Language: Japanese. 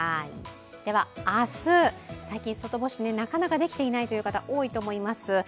では、明日、最近、外干しなかなかできていない方多いと思います。